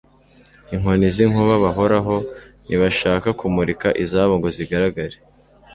Inkoni z' inkuba bahoraho. Nibashaka kumurika, Izabo ngo zigaragare,